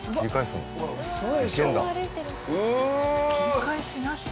切り返しなし？